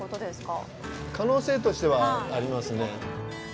可能性としてはありますね。